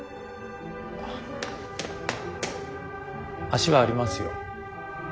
足はありますよ。